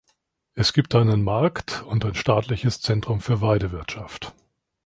Es gibt einen Markt und ein staatliches Zentrum für Weidewirtschaft.